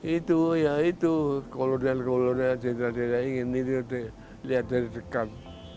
itu ya itu kolonel kolonel jenderal jenderal ingin ini lihat dari dekat